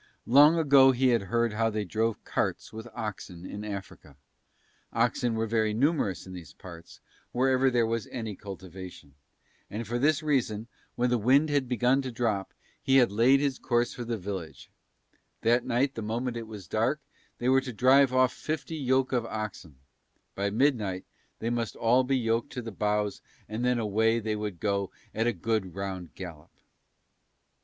Long ago he had heard how they drove carts with oxen in Africa, oxen were very numerous in these parts wherever there was any cultivation, and for this reason when the wind had begun to drop he had laid his course for the village: that night the moment it was dark they were to drive off fifty yoke of oxen; by midnight they must all be yoked to the bows and then away they would go at a good round gallop.